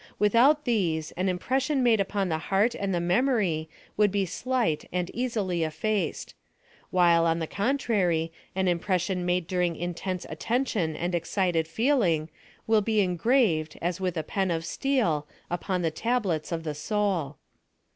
Without these; an impression made upon the heart and the memory would be slight and easily etfaced ; while, on the contrary j an imi)ression made during intense atten tion and excited feeling, will be engraved, as with a pen of steel, upon the tablets of the soul.